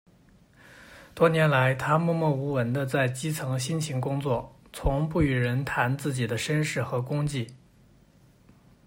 多年来她默默无闻地在基层辛勤工作，从不与人谈自己的身世和功绩。